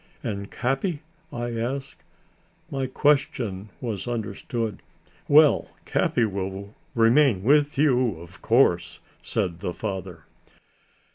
"And Capi?..." I asked. My question was understood. "Well, Capi will remain with you, of course," said the father.